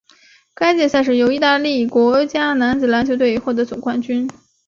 该届赛事由义大利国家男子篮球队获得总冠军。